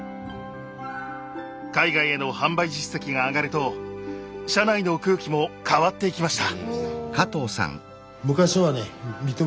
海外への販売実績が上がると社内の空気も変わっていきました。